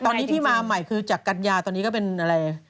ตอนนี้ที่มาใหม่คือจากกัญญาตอนนี้ก็เป็นอะไร